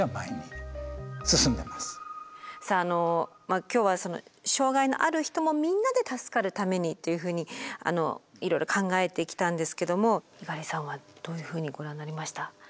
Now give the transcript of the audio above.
さあ今日は「障害のある人もみんなで助かるために」というふうにいろいろ考えてきたんですけども猪狩さんはどういうふうにご覧になりました？